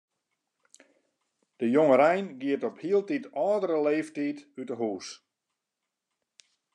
De jongerein giet op hieltyd âldere leeftiid út 'e hûs.